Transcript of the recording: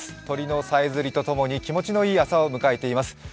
鳥のさえずりと共に、気持ちのいい朝を迎えています。